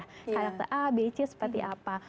karakter a b c seperti apa